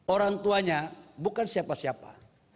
orang tuanya bukan siapa siapa